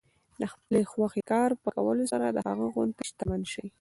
د خپلې خوښې کار په کولو سره د هغه غوندې شتمن شئ.